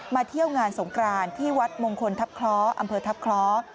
เที่ยวงานสงกรานที่วัดมงคลทัพคล้ออำเภอทัพคล้อ